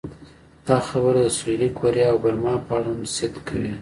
دا خبره د سویلي کوریا او برما په اړه هم صدق کوي.